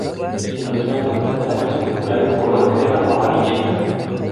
En los flancos muestra manchas circulares color crema o amarillentas.